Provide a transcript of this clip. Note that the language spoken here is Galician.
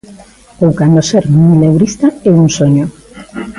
Ou cando ser mileurista é un soño.